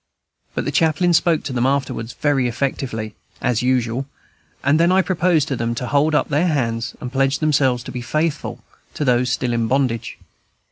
But the chaplain spoke to them afterwards very effectively, as usual; and then I proposed to them to hold up their hands and pledge themselves to be faithful to those still in bondage.